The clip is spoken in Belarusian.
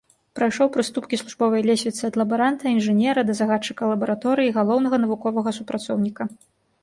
Прайшоў прыступкі службовай лесвіцы ад лабаранта, інжынера да загадчыка лабараторыі і галоўнага навуковага супрацоўніка.